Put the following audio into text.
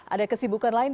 ada kesibukan lain